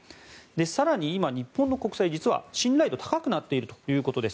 更に今、日本の国債実は信頼度が高くなっているということです。